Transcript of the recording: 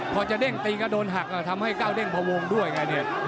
พอจะเด้งตีก็โดนหักทำให้ก้าวเด้งพวงด้วยไงเนี่ย